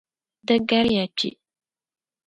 Di gariya kpe.